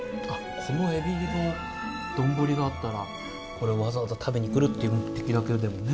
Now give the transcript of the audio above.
このエビの丼があったらこれをわざわざ食べに来るっていう目的だけでもね。